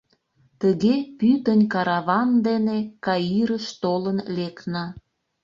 Тыге пӱтынь караван дене Каирыш толын лекна.